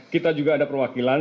kita juga ada perwakilan